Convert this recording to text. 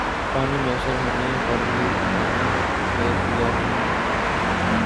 پانی میسر ہونے پر بھی پانی پھر پیا نہیں ہر